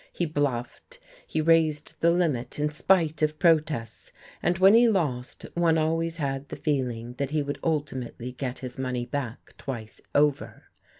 He bluffed, he raised the limit in spite of protests, and when he lost one always had the feeling that he would ultimately get his money back twice over.